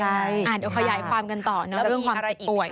เดี๋ยวขยายความกันต่อแล้วเรื่องของอะไรอีก